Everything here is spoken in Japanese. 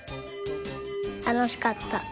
たのしかった。